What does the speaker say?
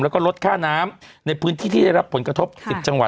แล้วก็ลดค่าน้ำในพื้นที่ที่ได้รับผลกระทบ๑๐จังหวัด